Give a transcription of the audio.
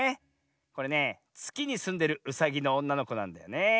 これねつきにすんでるうさぎのおんなのこなんだよねえ。